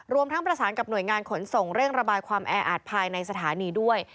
รวมทั้งประสานกับหน่วยงานขนส่งเร่งระบายความแออาจภายในสถานีด้วย